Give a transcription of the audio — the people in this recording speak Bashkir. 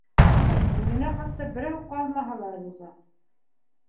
Үҙенә хатта берәү ҡалмаһа ла риза.